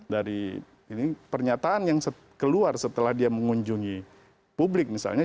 dari pernyataan yang keluar setelah dia mengunjungi publik misalnya